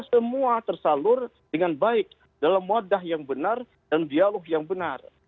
semua tersalur dengan baik dalam wadah yang benar dan dialog yang benar